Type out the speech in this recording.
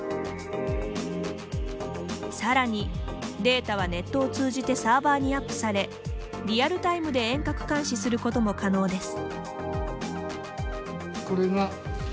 さらに、データはネットを通じてサーバーにアップされリアルタイムで遠隔監視することも可能です。